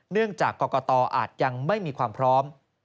เนื่องจากกรกตออาจยังไม่มีความพร้อม